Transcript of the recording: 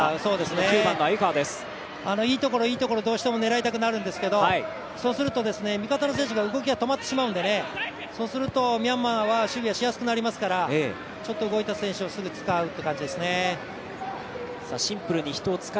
いいところいいところをどうしても狙いたくなるんですけどそうすると、味方の選手動きが止まってしまうんでそうするとミャンマーは守備がしやすくなりますからちょっと動いた選手をすぐ使うって感じですね。